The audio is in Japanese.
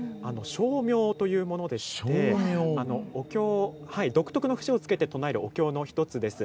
声明というものでして独特の節をつけて唱えるお経の一つです。